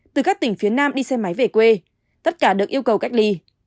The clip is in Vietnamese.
từ các tỉnh phía nam đi xe máy về quê tất cả được yêu cầu cách ly